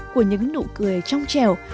của những nụ cười trong trèo